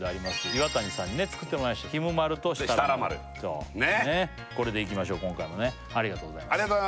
Ｉｗａｔａｎｉさんに作ってもらいましたひむまるとしたらまるねっこれでいきましょう今回もねありがとうございます